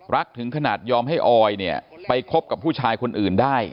ถึงขนาดยอมให้ออยเนี่ยไปคบกับผู้ชายคนอื่นได้